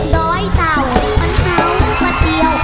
ด้อยเต่าน้ำข้าวผ้าเตี้ยว